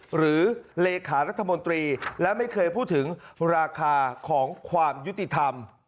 หรือเลขารัฐมนตรีและไม่เคยพูดถึงราคาของความยุติธรรม